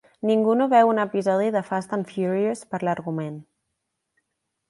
Ningú no veu un episodi de Fast and the Furious per l'argument.